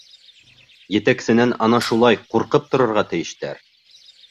Етәксенән ана шулай ҡурҡып торорға тейештәр.